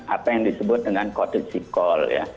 apa yang disebut dengan kodisi kol ya